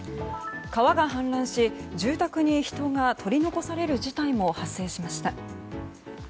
川が氾濫し住宅に人が取り残される事態も発生しました。